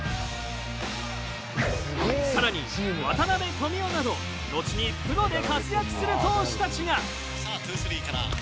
更に渡辺智男など後にプロで活躍する投手たちが。